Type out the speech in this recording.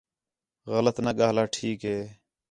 غلط نہ ڳاہلا ٹھیک ہِے